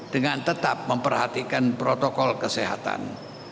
dengan tetap memperhatikan protokol kesehatan